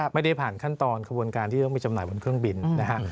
ไม่ได้ผ่านขั้นตอนขบวนการที่ต้องไปจำหน่ายบนเครื่องบินนะฮะ